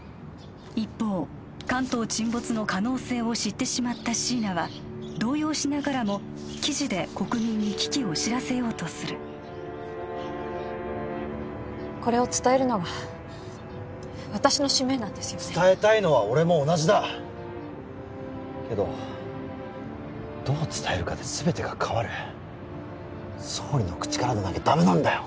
一方関東沈没の可能性を知ってしまった椎名は動揺しながらも記事で国民に危機を知らせようとするこれを伝えるのが私の使命なんですよね伝えたいのは俺も同じだけどどう伝えるかで全てが変わる総理の口からでなきゃダメなんだよ